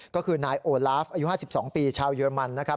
ก็คือนายโอลาฟอายุ๕๒ปีชาวเยอรมันนะครับ